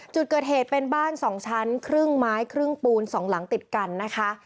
จุดเกิดเหตุเป็นบ้าน๒ชั้นครึ่งไม้ครึ่งปูน๒หลังติดกันนะคะ